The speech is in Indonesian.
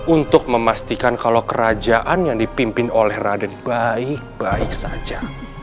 untuk memastikan kalau kerajaan yang dipimpin oleh raden baik baik saja